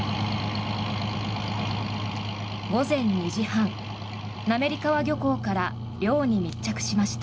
午前２時半、滑川漁港から漁に密着しました。